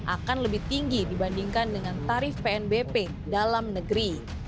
akan lebih tinggi dibandingkan dengan tarif pnbp dalam negeri